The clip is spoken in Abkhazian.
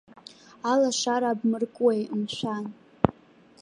Алашара абмыркуеи, мшәан?